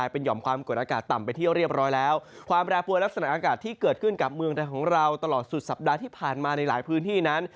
รักษณะอากาศที่เกิดขึ้นกับเมืองไทยของเราตลอดสุดสัปดาห์ที่ผ่านมาในหลายพื้นที่นั้น